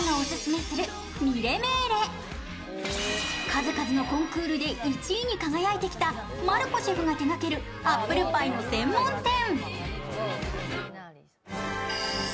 数々のコンクールで１位に輝いてきたマルコシェフが手がけるアップルパイの専門店。